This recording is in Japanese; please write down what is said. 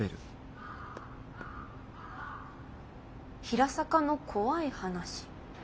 ・「『平坂』の怖い話。